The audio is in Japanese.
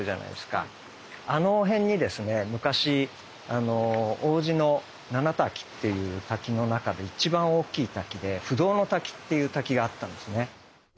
あの辺にですね昔王子の七滝っていう滝の中で一番大きい滝で不動の滝っていう滝があったんですね。